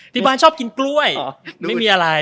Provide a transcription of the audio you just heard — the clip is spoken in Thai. ที่บ้านชอบกินกล้วยไม่มีอะไร